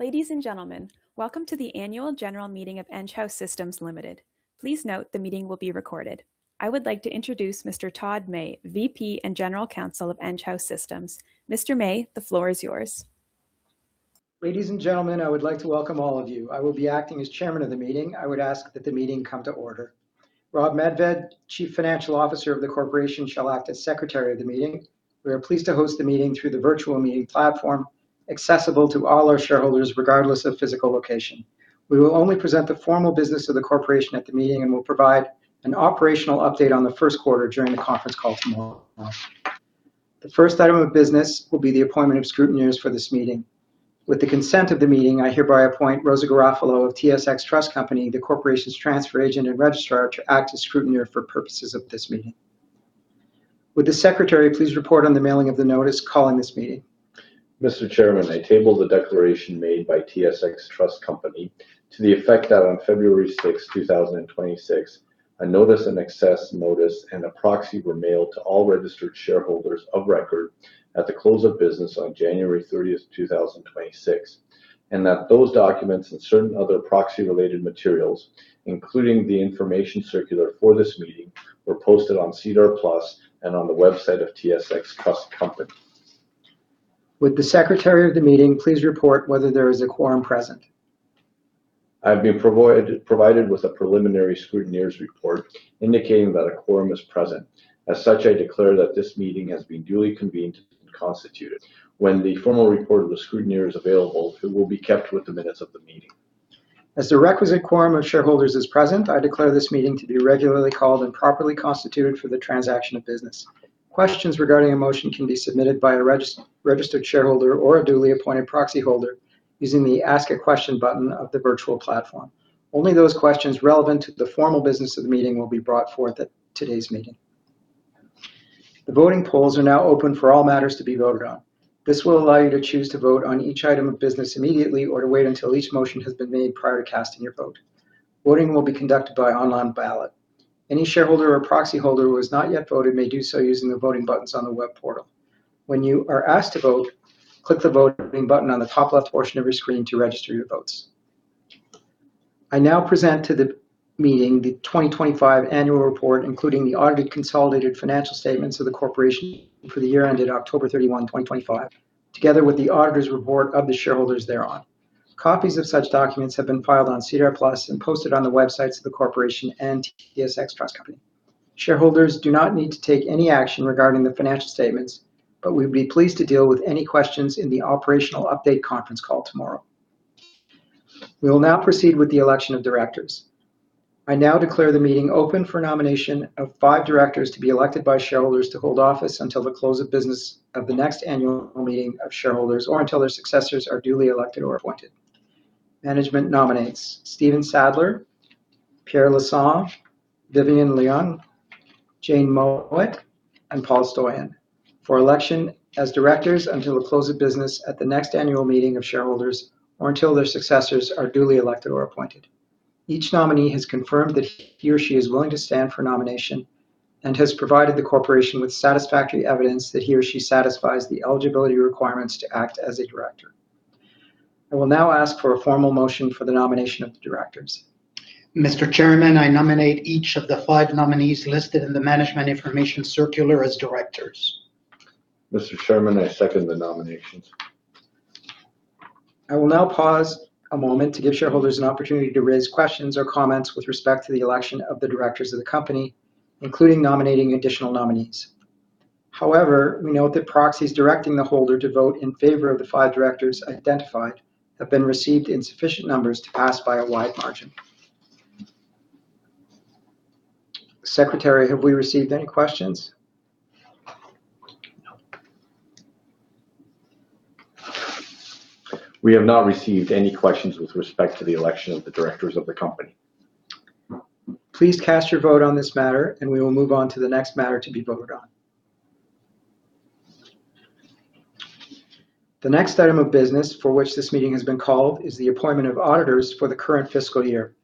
Ladies and gentlemen, welcome to the annual general meeting of Enghouse Systems Limited. Please note the meeting will be recorded. I would like to introduce Mr. Todd May, VP and General Counsel of Enghouse Systems. Mr. May, the floor is yours. Ladies and gentlemen, I would like to welcome all of you. I will be acting as chairman of the meeting. I would ask that the meeting come to order. Rob Medved, Chief Financial Officer of the corporation, shall act as secretary of the meeting. We are pleased to host the meeting through the virtual meeting platform accessible to all our shareholders, regardless of physical location. We will only present the formal business of the corporation at the meeting and will provide an operational update on the first quarter during the conference call tomorrow. The first item of business will be the appointment of scrutineers for this meeting. With the consent of the meeting, I hereby appoint Rosa Garofalo of TSX Trust Company, the corporation's transfer agent and registrar, to act as scrutineer for purposes of this meeting. Would the secretary please report on the mailing of the notice calling this meeting? Mr. Chairman, I table the declaration made by TSX Trust Company to the effect that on February 6, 2026, a notice and access notice and a proxy were mailed to all registered shareholders of record at the close of business on January 30, 2026, and that those documents and certain other proxy-related materials, including the information circular for this meeting, were posted on SEDAR+ and on the website of TSX Trust Company. Would the secretary of the meeting please report whether there is a quorum present? I've been provided with a preliminary scrutineer's report indicating that a quorum is present. As such, I declare that this meeting has been duly convened and constituted. When the formal report of the scrutineer is available, it will be kept with the minutes of the meeting. As the requisite quorum of shareholders is present, I declare this meeting to be regularly called and properly constituted for the transaction of business. Questions regarding a motion can be submitted by a registered shareholder or a duly appointed proxy holder using the Ask a Question button of the virtual platform. Only those questions relevant to the formal business of the meeting will be brought forth at today's meeting. The voting polls are now open for all matters to be voted on. This will allow you to choose to vote on each item of business immediately or to wait until each motion has been made prior to casting your vote. Voting will be conducted by online ballot. Any shareholder or proxy holder who has not yet voted may do so using the voting buttons on the web portal. When you are asked to vote, click the voting button on the top left portion of your screen to register your votes. I now present to the meeting the 2025 annual report, including the audited consolidated financial statements of the corporation for the year ended October 31, 2025, together with the auditor's report of the shareholders thereon. Copies of such documents have been filed on SEDAR+ and posted on the websites of the corporation and TSX Trust Company. Shareholders do not need to take any action regarding the financial statements, but we'd be pleased to deal with any questions in the operational update conference call tomorrow. We will now proceed with the election of directors. I now declare the meeting open for nomination of five directors to be elected by shareholders to hold office until the close of business of the next annual meeting of shareholders or until their successors are duly elected or appointed. Management nominates Stephen Sadler, Pierre Lassonde, Vivian Leung, Jane Mowat, and Paul Stoyan for election as Directors until the close of business at the next annual meeting of shareholders or until their successors are duly elected or appointed. Each nominee has confirmed that he or she is willing to stand for nomination and has provided the corporation with satisfactory evidence that he or she satisfies the eligibility requirements to act as a director. I will now ask for a formal motion for the nomination of the directors. Mr. Chairman, I nominate each of the five nominees listed in the management information circular as directors. Mr. Chairman, I second the nominations. I will now pause a moment to give shareholders an opportunity to raise questions or comments with respect to the election of the directors of the company, including nominating additional nominees. However, we note that proxies directing the holder to vote in favor of the five directors identified have been received in sufficient numbers to pass by a wide margin. Secretary, have we received any questions? No. We have not received any questions with respect to the election of the Directors of the company. Please cast your vote on this matter, and we will move on to the next matter to be voted on. The next item of business for which this meeting has been called is the appointment of auditors for the current fiscal year.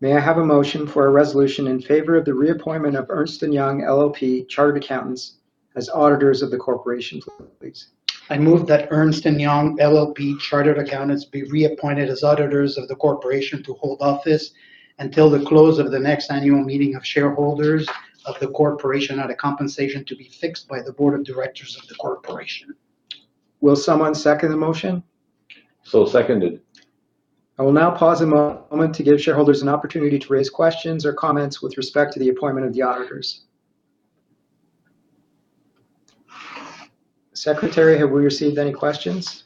May I have a motion for a resolution in favor of the reappointment of Ernst & Young LLP Chartered Accountants as auditors of the corporation, please? I move that Ernst & Young LLP Chartered Accountants be reappointed as auditors of the corporation to hold office until the close of the next annual meeting of shareholders of the corporation at a compensation to be fixed by the Board of Directors of the corporation. Will someone second the motion? Seconded. I will now pause a moment to give shareholders an opportunity to raise questions or comments with respect to the appointment of the auditors. Secretary, have we received any questions?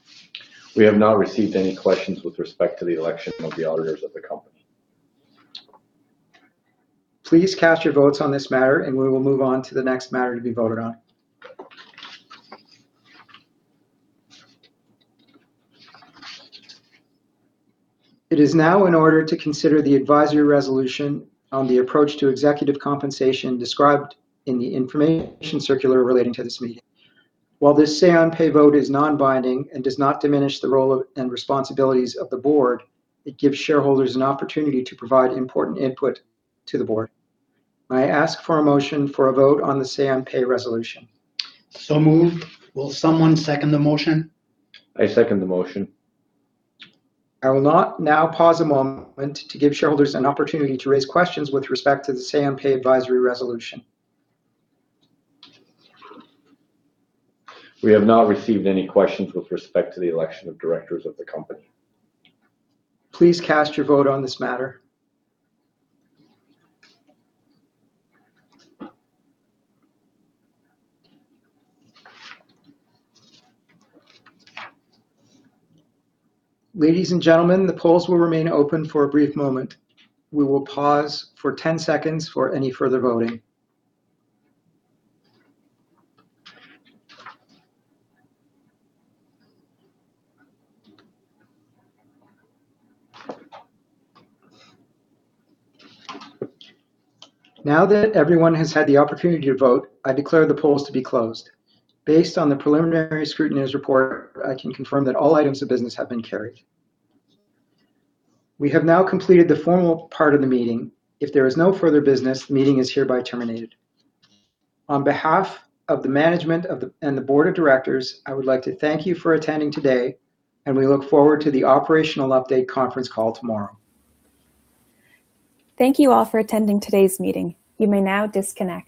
We have not received any questions with respect to the election of the auditors of the company. Please cast your votes on this matter, and we will move on to the next matter to be voted on. It is now in order to consider the advisory resolution on the approach to executive compensation described in the information circular relating to this meeting. While this say on pay vote is non-binding and does not diminish the role of and responsibilities of the Board, it gives shareholders an opportunity to provide important input to the Board. I ask for a motion for a vote on the say on pay resolution. Moved. Will someone second the motion? I second the motion. I will now pause a moment to give shareholders an opportunity to raise questions with respect to the say on pay advisory resolution. We have not received any questions with respect to the election of directors of the company. Please cast your vote on this matter. Ladies and gentlemen, the polls will remain open for a brief moment. We will pause for 10-seconds for any further voting. Now that everyone has had the opportunity to vote, I declare the polls to be closed. Based on the preliminary scrutineer's report, I can confirm that all items of business have been carried. We have now completed the formal part of the meeting. If there is no further business, the meeting is hereby terminated. On behalf of the management and the Board of Directors, I would like to thank you for attending today, and we look forward to the operational update conference call tomorrow. Thank you all for attending today's meeting. You may now disconnect.